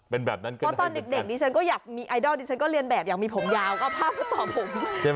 เพราะตอนเด็กดิฉันก็อยากมีไอดอลดิฉันก็เรียนแบบอยากมีผมยาวก็ผ้าผ้าต่อผม